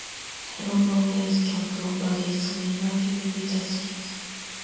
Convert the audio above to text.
I don't know where it came from but it's a remarkable guitar thing.